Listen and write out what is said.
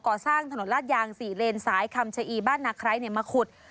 ก่อสร้างถนนลาดยาง๔เลนสายคำชะอีบ้านนาไคร้มาขุด